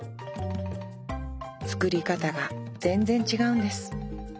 造り方が全然違うんです。